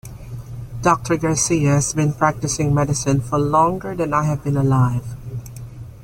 Doctor Garcia has been practicing medicine for longer than I have been alive.